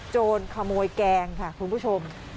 โจรขโมยแกงค่ะคุณผู้ชม